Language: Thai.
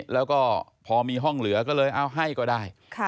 แล้วก็พอมีห้องเหลือก็เลยเอาให้ก็ได้